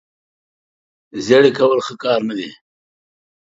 زیړې کول ښه کار نه دی.